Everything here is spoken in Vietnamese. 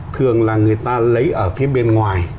thường là người ta lấy ở phía bên ngoài